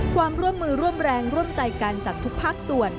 ความร่วมมือร่วมแรงร่วมใจกันจากทุกภาคส่วน